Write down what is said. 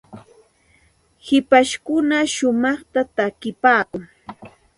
hipashkuna shumaqta takipaakun.